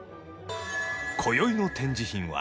今宵の展示品は